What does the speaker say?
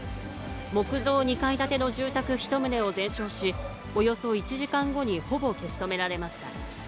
木造２階建ての住宅１棟を全焼し、およそ１時間後にほぼ消し止められました。